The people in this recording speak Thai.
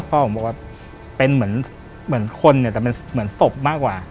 พ่อผมบอกว่าเป็นเหมือนคนเนี่ยแต่เป็นเหมือนศพมากกว่า